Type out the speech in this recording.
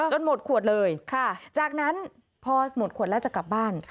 หมดขวดเลยจากนั้นพอหมดขวดแล้วจะกลับบ้าน